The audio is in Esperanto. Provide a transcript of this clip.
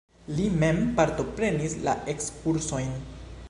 Li mem partoprenis la ekskursojn.